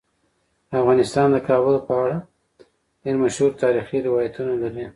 افغانستان د کابل په اړه ډیر مشهور تاریخی روایتونه لري.